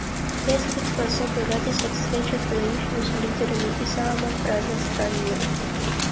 Я испытываю особую радость от встречи с выдающимися лидерами из самых разных стран мира.